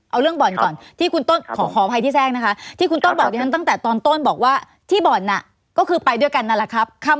เอาเรื่องบ่อนก่อนที่คุณต้นขอขออภัยที่แทรกนะคะที่คุณต้นบอกดิฉันตั้งแต่ตอนต้นบอกว่าที่บ่อนน่ะก็คือไปด้วยกันนั่นแหละครับ